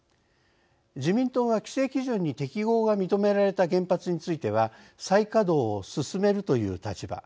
自民党は「規制基準に適合が認められた原発については再稼働を進める」という立場。